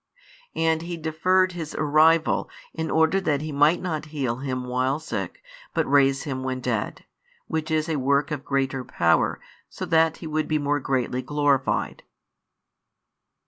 And He deferred His arrival in order that He might not heal him while sick, but raise him when dead; which is a work of greater power, so that He would be more greatly glorified.